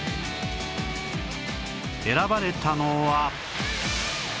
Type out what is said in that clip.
選ばれたのは